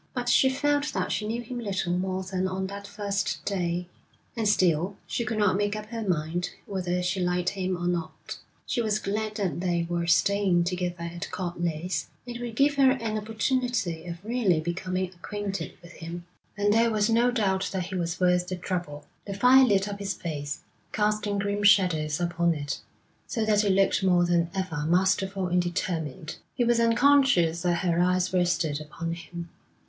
But she felt that she knew him little more than on that first day, and still she could not make up her mind whether she liked him or not. She was glad that they were staying together at Court Leys; it would give her an opportunity of really becoming acquainted with him, and there was no doubt that he was worth the trouble. The fire lit up his face, casting grim shadows upon it, so that it looked more than ever masterful and determined. He was unconscious that her eyes rested upon him.